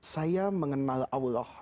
saya mengenal allah